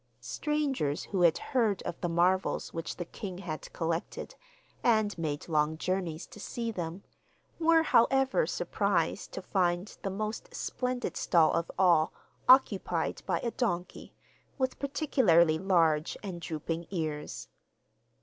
Strangers who had heard of the marvels which the king had collected, and made long journeys to see them, were, however, surprised to find the most splendid stall of all occupied by a donkey, with particularly large and drooping ears.